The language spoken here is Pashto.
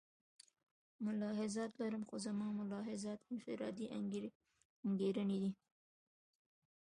ملاحظات لرم خو زما ملاحظات انفرادي انګېرنې دي.